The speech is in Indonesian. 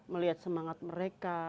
melihat semangat mereka